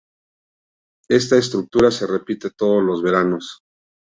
Esta estructura se repite todos los veranos.